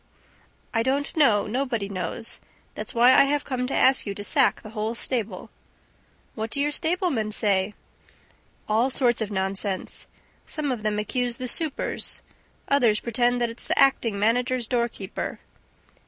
"I don't know. Nobody knows. That's why I have come to ask you to sack the whole stable." "What do your stablemen say?" "All sorts of nonsense. Some of them accuse the supers. Others pretend that it's the acting manager's doorkeeper